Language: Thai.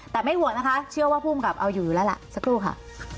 แต่ไม่ห่วงนะคะเชื่อว่าภูมิกับเอาอยู่แล้วล่ะสักครู่ค่ะ